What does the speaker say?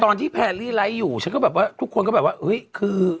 แพรรี่ไลค์อยู่ฉันก็แบบว่าทุกคนก็แบบว่าเฮ้ยคือ